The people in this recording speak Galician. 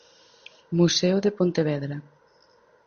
Museo de Pontevedra.